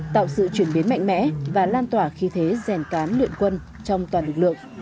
tạo sự chuyển biến mạnh mẽ và lan tỏa khí thế rèn cán luyện quân trong toàn lực lượng